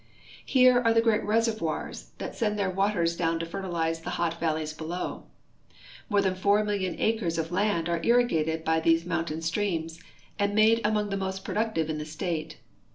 Here are the great reservoirs that send their waters down to fertilize the hot valleys below. More than 4,000,000 acres of land are irrigated by these mountain streams, and made among the most productive in the state.